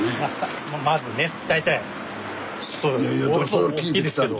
それを聞いてきたの。